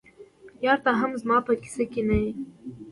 یاره ته هم زما په کیسه کي نه یې.